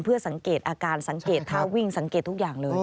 เพื่อสังเกตอาการสังเกตท้าวิ่งสังเกตทุกอย่างเลย